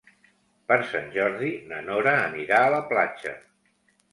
Per Sant Jordi na Nora anirà a la platja.